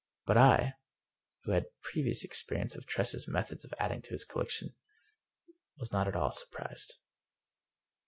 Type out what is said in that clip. But I, who had previous experience of Tress's methods of adding to his collection, was not at all surprised.